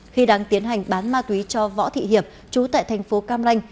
khi đang tiến hành bán ma túy cho võ thị hiệp trú tại thành phố cam ranh